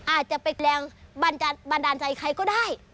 อาจจะไปแกลงบันดาลใจใครก็ได้